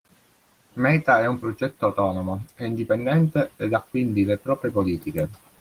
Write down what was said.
Meta è un progetto autonomo e indipendente ed ha quindi le proprie politiche.